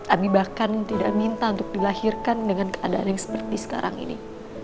abi bahkan tidak minta untuk dilahirkan dengan keadaan yang seperti sekarang ini